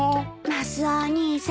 マスオお兄さん。